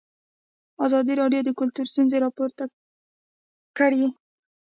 ازادي راډیو د کلتور ستونزې راپور کړي.